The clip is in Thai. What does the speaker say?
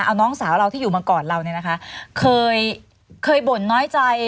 เอาน้องสาวเราที่อยู่มาก่อนเราเนี่ยนะคะเคยเคยบ่นน้อยใจ